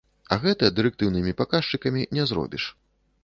А гэта дырэктыўнымі паказчыкамі не зробіш.